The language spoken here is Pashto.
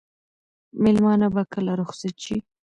مېلمانه به کله رخصت شي؟